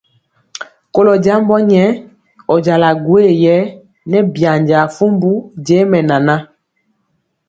Kolɔ jambɔ nyɛ, ɔ jala gwoye yɛ nɛ byanjaa fumbu je mɛnana.